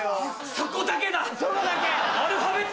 そこだけ！